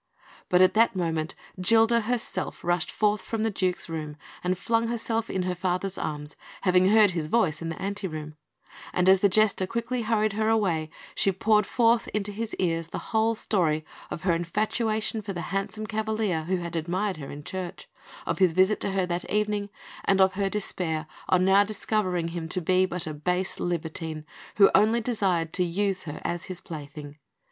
But at that moment, Gilda herself rushed forth from the Duke's room, and flung herself in her father's arms, having heard his voice in the ante room; and as the Jester quickly hurried her away, she poured forth into his ears the whole story of her infatuation for the handsome cavalier who had admired her in church, of his visit to her that evening, and of her despair on now discovering him to be but a base libertine, who only desired to use her as his plaything.